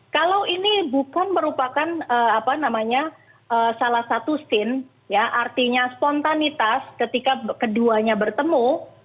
kalau ini bukan merupakan salah satu scene ya artinya spontanitas ketika keduanya bertemu